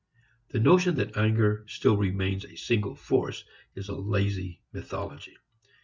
The notion that anger still remains a single force is a lazy mythology.